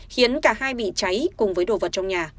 khiến cả hai bị cháy cùng với đồ vật trong nhà